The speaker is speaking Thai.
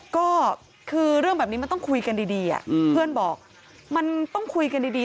ก็คือเรื่องแบบนี้มันต้องคุยกันดีเพื่อนบอกมันต้องคุยกันดี